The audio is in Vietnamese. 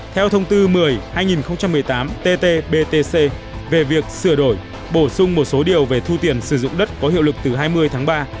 theo thông tư một mươi hai nghìn một mươi tám tt btc về việc sửa đổi bổ sung một số điều về thu tiền sử dụng đất có hiệu lực từ hai mươi tháng ba